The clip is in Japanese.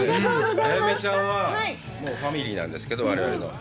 彩芽ちゃんは、もうファミリーなんですけど、我々の。